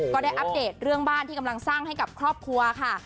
อัปเดตเรื่องบ้านที่กำลังสร้างให้กับครอบครัวค่ะ